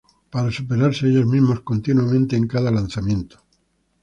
Para superarse ellos mismos continuamente en cada lanzamiento es raro.